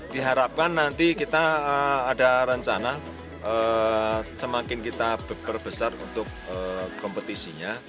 diharapkan nanti kita ada rencana semakin kita perbesar untuk kompetisinya